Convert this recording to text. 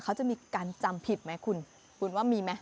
เขาจะมีการจำผิดไหมคุณคุณว่ามีไหม